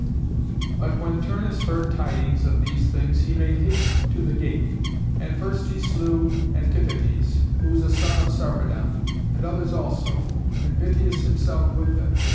But when Turnus heard tidings of these things he made haste to the gate. And first he slew Antiphates, who was a son of Sarpedon, and others also, and Bitias himself with them.